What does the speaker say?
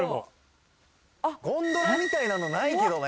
ゴンドラみたいなのないけどね。